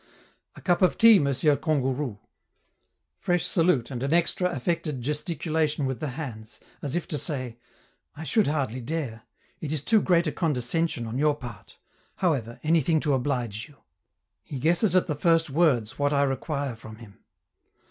"A cup of tea, Monsieur Kangourou?" Fresh salute and an extra affected gesticulation with the hands, as if to say, "I should hardly dare. It is too great a condescension on your part. However, anything to oblige you." He guesses at the first words what I require from him.